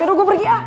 yaudah gue pergi ah